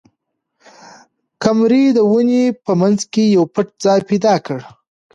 قمرۍ د ونې په منځ کې یو پټ ځای پیدا کړ.